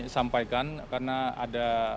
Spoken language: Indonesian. sampaikan karena ada